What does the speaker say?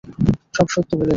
সব সত্য বলে দাও।